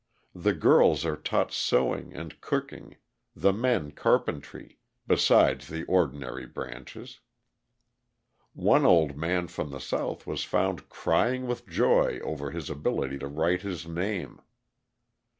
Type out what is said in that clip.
The girls are taught sewing and cooking, the men carpentry besides the ordinary branches. One old man from the South was found crying with joy over his ability to write his name.